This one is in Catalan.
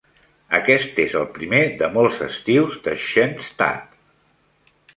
Aquest és el primer de molts estius de Schoenstatt.